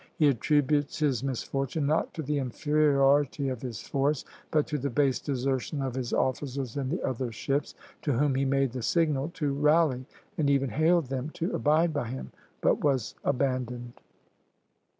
He attributes his misfortune, not to the inferiority of his force, but to the base desertion of his officers in the other ships, to whom he made the signal to rally, and even hailed them to abide by him, but was abandoned."